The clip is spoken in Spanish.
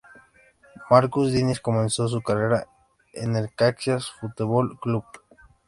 Marcus Diniz comenzó su carrera en el Caxias Futebol Clube.